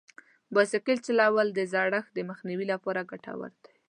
بایسکل چلول د زړښت د مخنیوي لپاره ګټور دي.